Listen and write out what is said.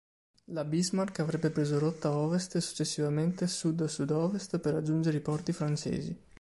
La "Bismarck" avrebbe preso rotta ovest e successivamente sud-sud-ovest per raggiungere i porti francesi.